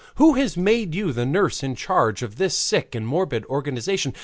Who has made you the nurse in charge of this sick and moribund organization?